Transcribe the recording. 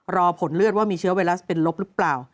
รอผลเลือดว่ามีเชื้อไวรัสเป็นลบหรือเปล่า